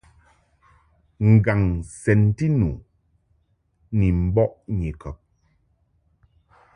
Ngaŋ sɛnti nu ni mbɔʼ Nyikɔb.